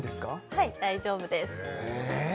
はい大丈夫ですえーっ？